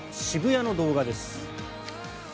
渋谷の動画です。